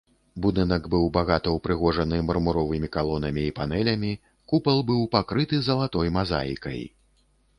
Будынак быў багата ўпрыгожаны мармуровымі калонамі і панэлямі, купал быў пакрыты залатой мазаікай.